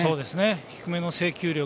低めの制球力。